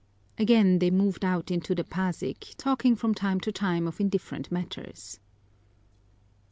Again they moved out into the Pasig, talking from time to time of indifferent matters.